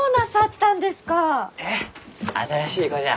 新しい子じゃ。